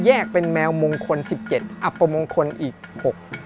เป็นแมวมงคล๑๗อัปมงคลอีก๖